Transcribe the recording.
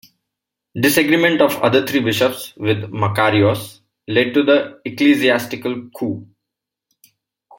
Disagreements of the other three bishops with Makarios lead to the Ecclesiastical coup.